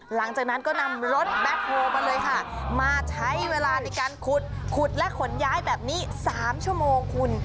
หลังจากนั้นก็นำรถแบ็คโฮลมาเลยค่ะมาใช้เวลาในการขุดขุดและขนย้ายแบบนี้๓ชั่วโมงคุณ